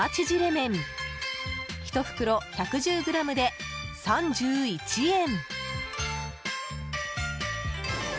麺１袋１１０ｇで３１円。